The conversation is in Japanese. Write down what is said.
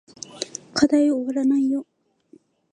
課題おわらないよ